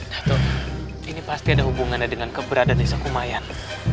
nah ini pasti ada hubungannya dengan keberadaan desa kumayan